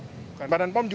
bukan badan pom juga